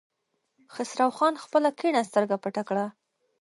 خسرو خان خپله کيڼه سترګه پټه کړه.